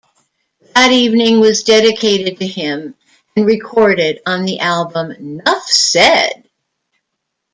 That evening was dedicated to him and recorded on the album "'Nuff Said!".